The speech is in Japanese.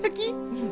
うん。